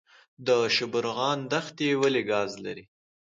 شبرغان دښتې ولې ګاز لري؟